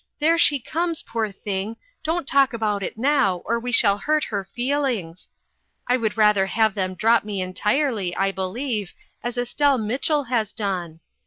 there she comes, poor thing, don't talk about it now, or we shall hurt her feelings !' I would rather have them drop me entirely, I believe, as Estelle Mitchell has done.